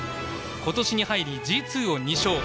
今年に入りＧ２を２勝。